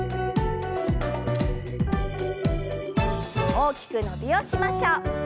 大きく伸びをしましょう。